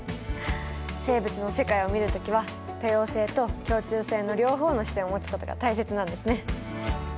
生物の世界を見る時は多様性と共通性の両方の視点をもつことが大切なんですね。